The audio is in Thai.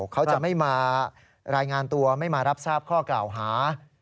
เขาจะไม่มารายงานตัวไม่มารับทราบข้อกล่าวหา